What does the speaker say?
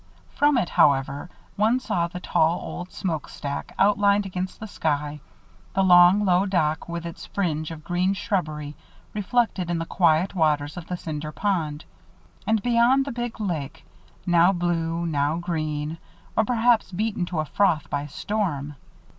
From it, however, one saw the tall old smoke stack, outlined against the sky, the long, low dock with its fringe of green shrubbery reflected in the quiet waters of the Cinder Pond; and beyond, the big lake, now blue, now green, or perhaps beaten to a froth by storm.